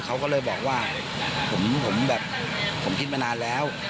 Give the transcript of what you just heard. เขาก็เลยบอกว่าผมแบบผมคิดมานานแล้ว